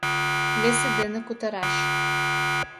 Весе дене кутыраш.